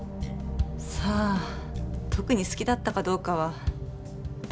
さあ特に好きだったかどうかは。